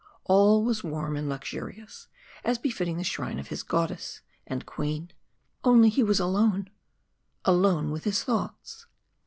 All was warm and luxurious, as befitting the shrine of his goddess and Queen. Only he was alone alone with his thoughts.